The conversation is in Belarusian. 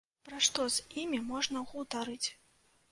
Пра што з імі можна гутарыць?